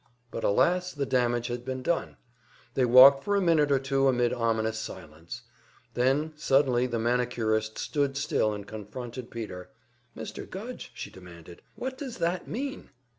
But alas, the damage had been done! They walked for a minute or two amid ominous silence. Then suddenly the manicurist stood still and confronted Peter. "Mr. Gudge," she demanded, "what does that mean?"